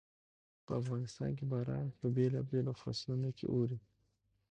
په افغانستان کې باران په بېلابېلو فصلونو کې اوري.